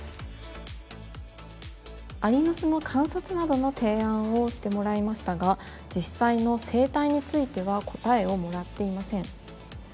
ありの巣の観察などの提案をしてくれましたが、実際の生態については答えをもらっていません。